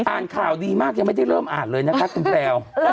อ่านข่าวดีมากยังไม่ได้เริ่มอ่านเลยนะคะคุณแพลว